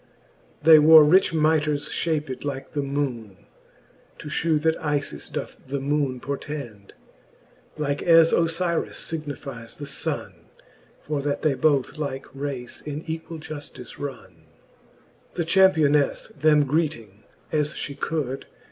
They wore rich mitres fhaped like the moone, To {hew, that IJis doth the moone portend j Like as Ofyris (ignifies the funne j For that they both like race in equall juftice runne. V. The Championefle them greeting as flie could.